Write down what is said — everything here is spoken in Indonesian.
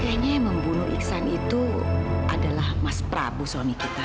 kayaknya yang membunuh iksan itu adalah mas prabu suami kita